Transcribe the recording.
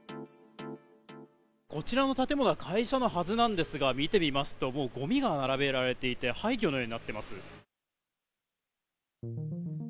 こちらの建物は会社のはずですが見てみますとゴミが並べられていて廃虚のようになっています。